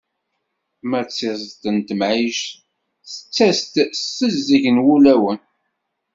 Ma d tiẓeḍt n temɛict tettas-d s tezdeg n wulawen.